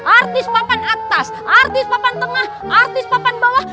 artis papan atas artis papan tengah artis papan bawah